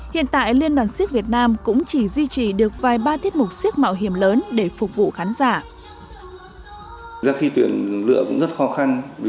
hiện tại liên đoàn siếc việt nam cũng chỉ duy trì được vài ba tiết mục siếc mạo hiểm lớn để phục vụ khán giả